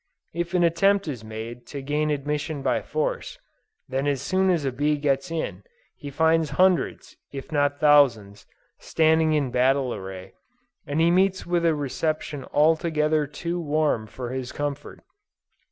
If an attempt is made to gain admission by force, then as soon as a bee gets in, he finds hundreds, if not thousands, standing in battle array, and he meets with a reception altogether too warm for his comfort.